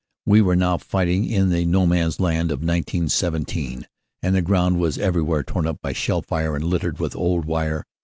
We were now fighting in the No Man s Land of 1917 and the ground was everywhere torn up by shell fire and littered with old wire.